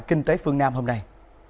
kinh tế phương nam hôm nay